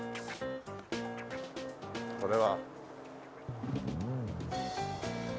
これは。